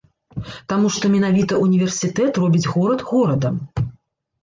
Таму што менавіта універсітэт робіць горад горадам.